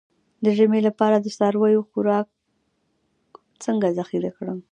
د ژمي لپاره د څارویو خوراک څنګه ذخیره کړم؟